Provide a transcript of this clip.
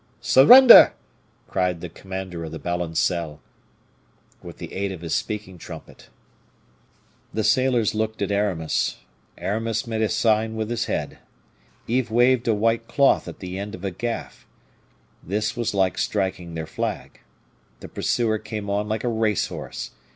"Surrender!" cried the commander of the balancelle, with the aid of his speaking trumpet. The sailors looked at Aramis. Aramis made a sign with his head. Yves waved a white cloth at the end of a gaff. This was like striking their flag. The pursuer came on like a race horse.